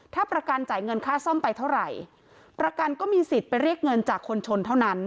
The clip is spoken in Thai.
ถ้าประกันจ่ายเงินค่าซ่อมไปเท่าไหร่ประกันก็มีสิทธิ์ไปเรียกเงินจากคนชนเท่านั้น